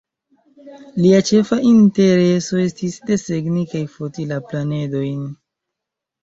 Lia ĉefa intereso estis desegni kaj foti la planedojn.